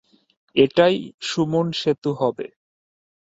এটাই সুমুন সেতু হবে।